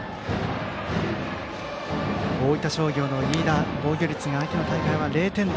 大分商業の飯田、防御率が秋の大会は０点台。